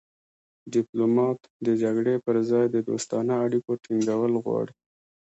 ډیپلومات د جګړې پر ځای د دوستانه اړیکو ټینګول غواړي